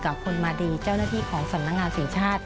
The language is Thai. กับคุณมาดีเจ้าหน้าที่ของสำนักงานสินชาติ